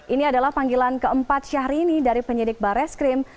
ini adalah panggilan keempat syahrini dari penyidik bareskrim